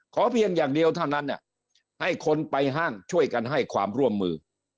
เพียงอย่างเดียวเท่านั้นให้คนไปห้างช่วยกันให้ความร่วมมือ